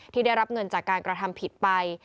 ที่ได้รับเงินจากการกระทำผิดไป